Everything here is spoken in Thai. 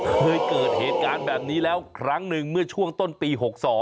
เคยเกิดเหตุการณ์แบบนี้แล้วครั้งหนึ่งเมื่อช่วงต้นปี๖๒